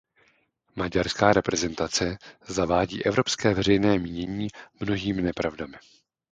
Maďarská reprezentace zavádí evropské veřejné mínění mnohými nepravdami.